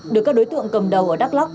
được các đối tượng cầm đầu ở đắk lắk